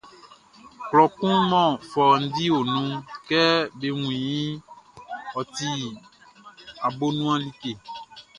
Klɔ kun mɔ fɔundi o nunʼn, kɛ be wun iʼn, ɔ ti abonuan like.